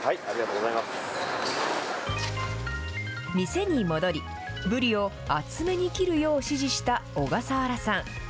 店に戻り、ブリを厚めに切るよう指示した小笠原さん。